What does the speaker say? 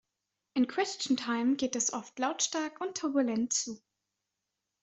In "Question Time" geht es oft lautstark und turbulent zu.